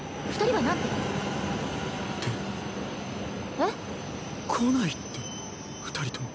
えっ？来ないって二人とも。